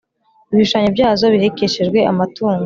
ibishushanyo byazo bihekeshejwe amatungo.